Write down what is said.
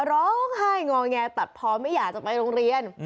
ร้องไห้งอแงตัดพอไม่อยากจะไปโรงเรียน